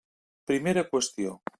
Primera qüestió.